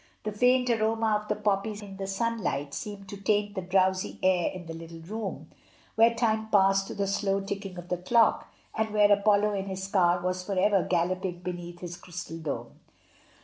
The faint aroma of the poppies in the sunlight seemed to taint the drowsy air in the little room, where time passed to the slow ticking of the clock, and where Apollo in his car was for ever galloping beneath his crystal dome.